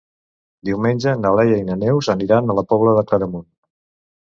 Diumenge na Laia i na Neus aniran a la Pobla de Claramunt.